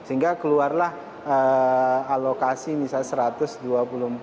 sehingga keluarlah alokasiya yang cuba dipakai tmi politek